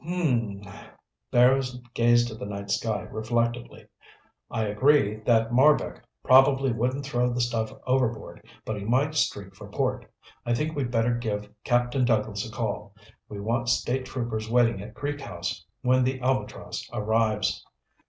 "Hmmmm." Barrows gazed at the night sky reflectively. "I agree that Marbek probably wouldn't throw the stuff overboard, but he might streak for port. I think we'd better give Captain Douglas a call. We want state troopers waiting at Creek House when the Albatross arrives."